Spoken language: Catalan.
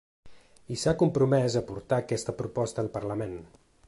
I s’ha compromès a portar aquesta proposta al parlament.